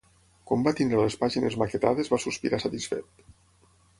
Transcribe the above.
Quan va tenir les pàgines maquetades va sospirar satisfet.